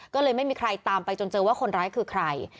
ก็เลยไม่มีใครตามไปจนเจอว่าคนร้ายคือใคร